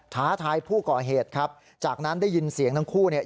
ท้าทายผู้ก่อเหตุครับจากนั้นได้ยินเสียงทั้งคู่เนี่ย